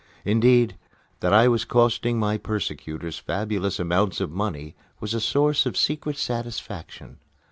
Indeed, that I was costing my persecutors fabulous amounts of money was a source of secret satisfaction.